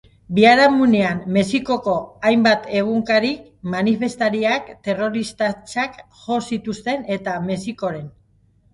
Biharamunean, Mexikoko hainbat egunkarik manifestariak terroristatzat jo zituzten eta Mexikoren.